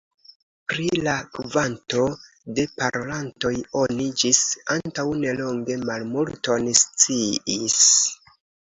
Pri la kvanto de parolantoj oni ĝis antaŭ nelonge malmulton sciis.